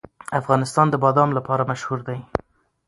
افغانستان د بادام لپاره مشهور دی.